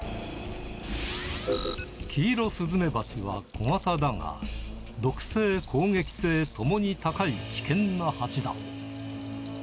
キイロスズメバチは小型だが、毒性、攻撃性ともに高い、危険なハチだ。